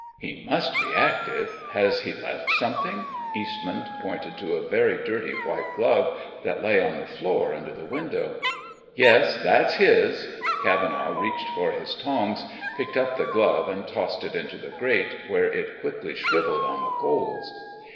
"He must be active. Has he left something?" Eastman pointed to a very dirty white glove that lay on the floor under the window. "Yes, that's his." Cavenaugh reached for his tongs, picked up the glove, and tossed it into the grate, where it quickly shriveled on the coals.